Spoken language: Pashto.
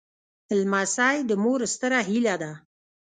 لمسی د مور ستره هيله ده.